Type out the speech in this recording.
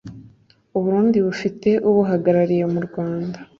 u Burundi bufite ubuhagarariye mu Rwanda